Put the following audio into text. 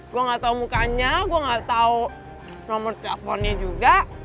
gue gak tau mukanya gue gak tau nomor teleponnya juga